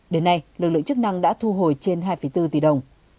đến nay lực lượng chức năng đã thu hồi trên hai bốn tỷ đồng